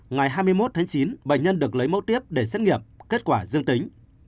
ngày hai mươi một tháng chín bệnh nhân được lấy mẫu tiếp để xét nghiệm kết quả dương tính